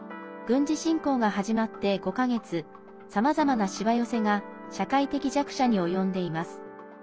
軍事侵攻が始まって５か月さまざまな、しわ寄せが社会的弱者に及んでいます。